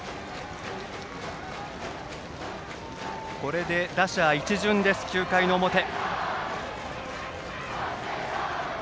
これで打者一巡です、９回の表。